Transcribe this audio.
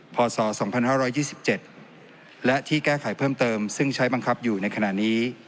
พศ๒๕๒๗และที่แก้ไขเพิ่มเติมซึ่งใช้บังคับอยู่ในขณะนี้